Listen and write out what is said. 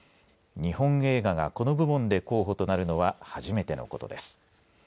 日本映画がこの部門で候補となるのは初めてのことです。